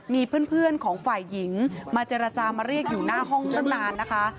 มีเพื่อนของฝ่ายหญิงมาเจรจามาเรียกอยู่หน้าห้องตั้งนานนะคะ